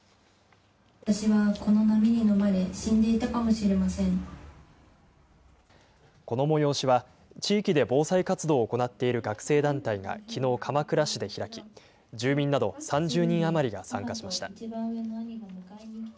私はこの波にのまれ、この催しは、地域で防災活動を行っている学生団体がきのう、鎌倉市で開き、住民など３０人余りが参加しました。